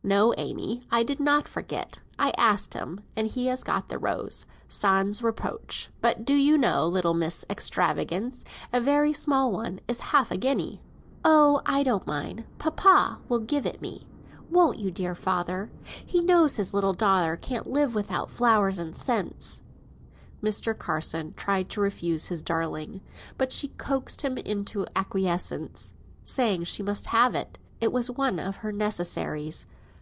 "No, Amy, I did not forget. I asked him, and he has got the Rose, sans reproche; but do you know, little Miss Extravagance, a very small one is half a guinea?" "Oh, I don't mind. Papa will give it me, won't you, dear father? He knows his little daughter can't live without flowers and scents." Mr. Carson tried to refuse his darling, but she coaxed him into acquiescence, saying she must have it, it was one of her necessaries.